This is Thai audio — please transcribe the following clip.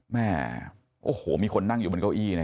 แม่โอ้โหมีคนนั่งอยู่บนเก้าอี้นะ